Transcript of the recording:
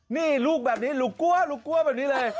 นี่ลูกแบบนี้ลุกกัวแบบนี้เลย